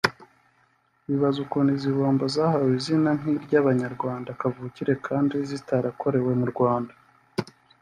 bibaza ukuntu izi bombo zahawe izina nk’iry’abanyarwanda kavukire kandi zitarakorewe mu Rwanda